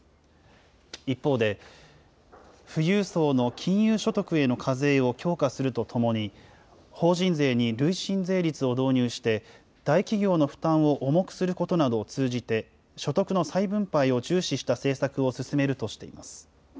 一方で、富裕層の金融所得への課税を強化するとともに、法人税に累進税率を導入して、大企業の負担を重くすることなどを通じて、所得の再分配を重視した政策を進めるとしています。